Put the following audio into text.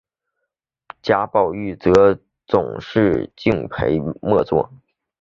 贾宝玉则总是敬陪末座。